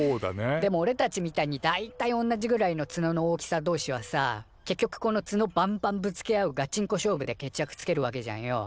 でもおれたちみたいに大体おんなじぐらいのツノの大きさ同士はさ結局このツノバンバンぶつけ合うガチンコ勝負で決着つけるわけじゃんよ。